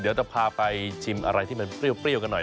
เดี๋ยวจะพาไปชิมอะไรที่มันเปรี้ยวกันหน่อย